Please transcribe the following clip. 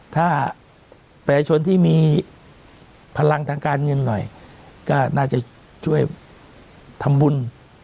ถ้าประชาชนที่มีพลังทางการเงินหน่อยก็น่าจะช่วยทำบุญ